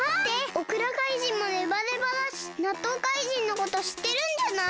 オクラかいじんもネバネバだしなっとうかいじんのことしってるんじゃない？